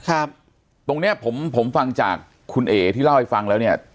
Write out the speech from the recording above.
ครับตรงเนี้ยผมผมฟังจากคุณเอ๋ที่เล่าให้ฟังแล้วเนี่ย